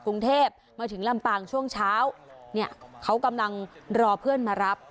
กรุงเทพมาถึงลำปางช่วงเช้าเนี่ยเขากำลังรอเพื่อนมารับ